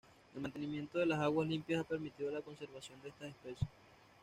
El mantenimiento de las aguas limpias ha permitido la conservación de estas especies.